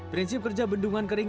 prinsip kerja bendungan kering